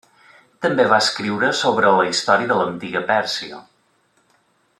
També va escriure sobre la història de l'antiga Pèrsia.